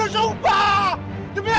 saya bukan pembunuh